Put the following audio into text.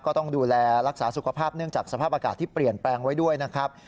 ก็ต้องดูแลรักษาสุขภาพเนื่องจากสภาพอากาศที่เปลี่ยนแปลงไว้ด้วยนะครับ